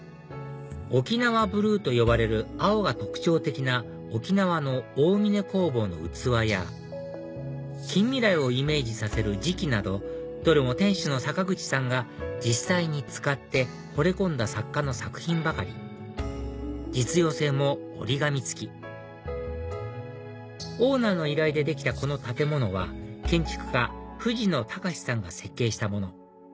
沖縄ブルーと呼ばれる青が特徴的な沖縄の大嶺工房の器や近未来をイメージさせる磁器などどれも店主の坂口さんが実際に使ってほれ込んだ作家の作品ばかり実用性も折り紙付きオーナーの依頼でできたこの建物は建築家藤野高志さんが設計したもの